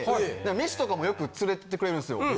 飯とかもよく連れてってくれるんすよ。